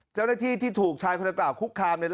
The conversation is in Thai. เจ้าหน้าที่ที่ถูกชายคนกล่าวคุกคาม